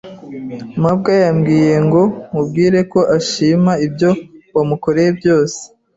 mabwa yambwiye ngo nkubwire ko ashima ibyo wamukoreye byose.